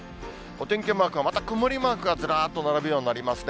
お天気マークは、また曇りマークがずらっと並ぶようになりますね。